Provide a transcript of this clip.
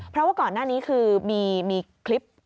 เพราะว่าก่อนหน้านี้คือมีคลิป